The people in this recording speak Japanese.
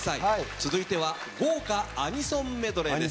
続いては豪華アニソンメドレーです。